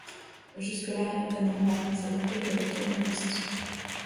Jusque-là, rien d'anormal, mais cette enquête va vite tourner à l'obsession.